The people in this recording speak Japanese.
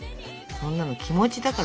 そんなの気持ちだから。